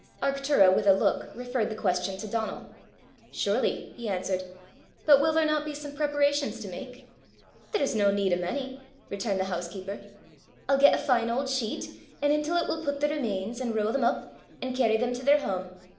Arctura with a look referred the question to Donal. "Surely," he answered. "But will there not be some preparations to make?" "There's no need o' mony!" returned the housekeeper. "I'll get a fine auld sheet, an' intil 't we'll put the remains, an' row them up, an' carry them to their hame.